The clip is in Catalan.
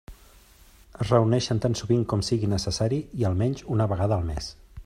Es reunixen tan sovint com siga necessari i, almenys, una vegada al mes.